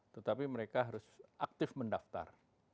tetapi mereka harus aktif mendaftar